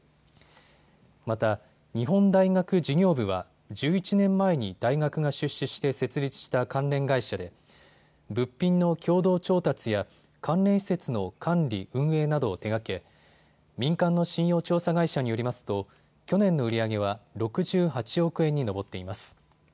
また、日本大学事業部は１１年前に大学が出資して設立した関連会社で物品の共同調達や関連施設の管理・運営などを手がけ民間の信用調査会社によりますと去年の売り上げは６８億円に上っています。